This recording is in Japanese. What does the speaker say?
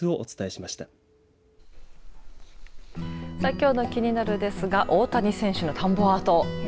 きょうのキニナル！ですが大谷選手の田んぼアート。